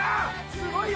すごいよ！